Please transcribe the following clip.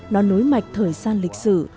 nó nối mạch thời gian lịch sử